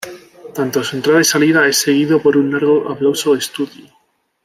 Tanto su entrada y salida es seguido por un largo aplauso estudio.